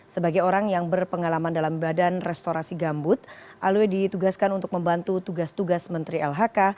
sebagai orang yang berpengalaman dalam badan restorasi gambut alwe ditugaskan untuk membantu tugas tugas menteri lhk